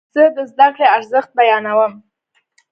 زه د زده کړې ارزښت بیانوم.